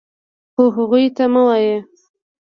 خو هغوی ته مه وایه .